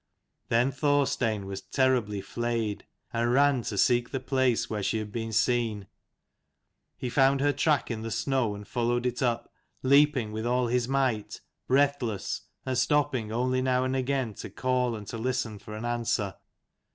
Then Thorstein was terribly fleyed, and ran to seek the place where she had been seen. He found her track in the snow and followed it up, leaping with all his might, breathless, and stopping only now and again to call, and to listen for an answer.